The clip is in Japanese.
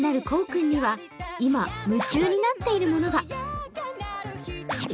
くんには今、夢中になっているものが。